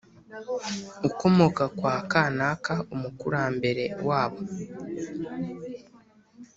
ukomoka kwa kanaka umukurambere wabo